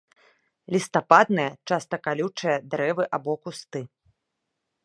Лістападныя, часта калючыя, дрэвы або кусты.